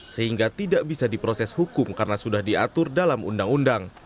sehingga tidak bisa diproses hukum karena sudah diatur dalam undang undang